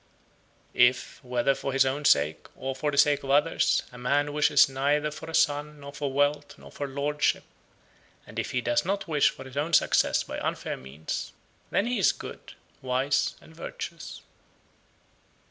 84. If, whether for his own sake, or for the sake of others, a man wishes neither for a son, nor for wealth, nor for lordship, and if he does not wish for his own success by unfair means, then he is good, wise, and virtuous.